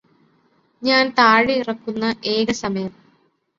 ഞാന് താഴെ ഇറക്കുന്ന ഏക സമയം